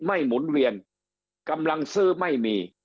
หมุนเวียนกำลังซื้อไม่มี